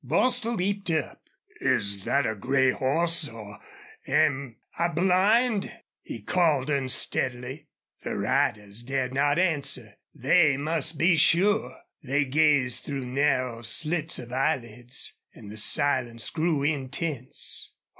Bostil leaped up. "Is thet a gray hoss or am I blind?" he called, unsteadily. The riders dared not answer. They must be sure. They gazed through narrow slits of eyelids; and the silence grew intense.